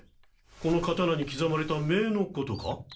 この刀にきざまれた銘のことか？